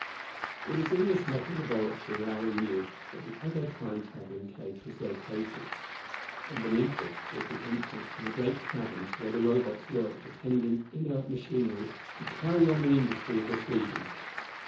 It was in this metal laboratory, Larry knew, that the other Time traveling cage was located. And beneath it was the entrance to the great caverns where the Robots worked attending inert machinery to carry on the industry of this region.